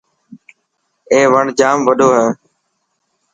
اي وڻ ڄام وڏو هي.